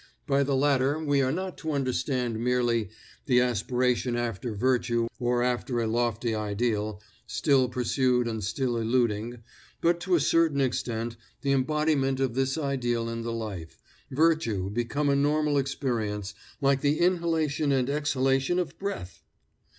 By the latter we are not to understand merely the aspiration after virtue or after a lofty ideal, still pursued and still eluding, but to a certain extent the embodiment of this ideal in the life virtue become a normal experience like the inhalation and exhalation of breath!